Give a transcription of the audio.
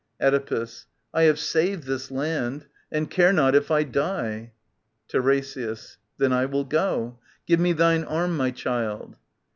Oedipus. I have saved this land, and care not if I die. TiRESIAS. Then I will go. — Give me thine arm, my child.